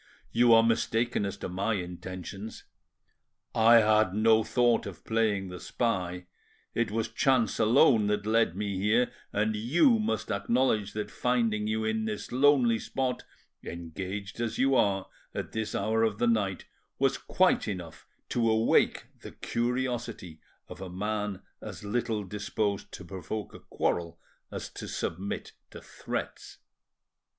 You are mistaken as to my intentions. I had no thought of playing the spy; it was chance alone that led me here; and you must acknowledge that finding you in this lonely spot, engaged as you are at this hour of the night, was quite enough to awake the curiosity of a man as little disposed to provoke a quarrel as to submit to threats."